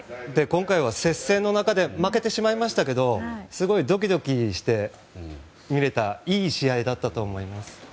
今回は接戦の中で負けてしまいましたがすごいドキドキして見れたいい試合だったと思います。